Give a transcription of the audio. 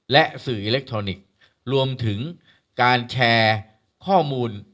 และสื่ออิเล็กทรอนิกส์รวมถึงการแชร์ข้อมูล